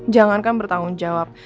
jangankan bertanggung jawab